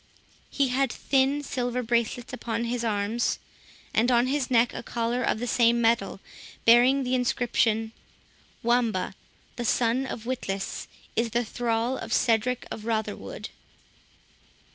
He had thin silver bracelets upon his arms, and on his neck a collar of the same metal bearing the inscription, "Wamba, the son of Witless, is the thrall of Cedric of Rotherwood."